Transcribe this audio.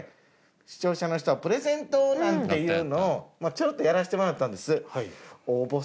視聴者の人はプレゼントなんていうのをちょっとやらしてもらったんです。